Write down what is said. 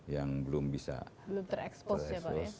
yang belum bisa terekspos